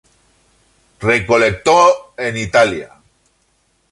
Recolectó en Italia